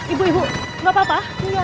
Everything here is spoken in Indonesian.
ibu ibu nggak apa apa